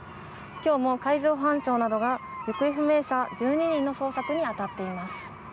今日も海上保安庁などが行方不明者１２人の捜索に当たっています。